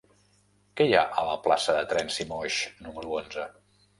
Què hi ha a la plaça de Terenci Moix número onze?